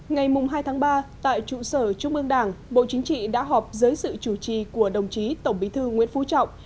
ngày hai tháng ba tại trụ sở trung ương đảng bộ chính trị đã họp dưới sự chủ trì của đồng chí tổng bí thư nguyễn phú trọng